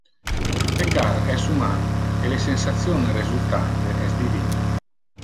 Peccar es human e le sensation resultante es divin.